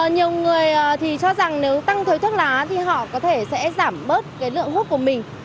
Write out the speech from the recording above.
nhiều người thì cho rằng nếu tăng thiếu thuốc lá thì họ có thể sẽ giảm bớt cái lượng hút của mình